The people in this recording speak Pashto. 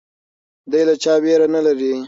دی له چا ویره نه لري.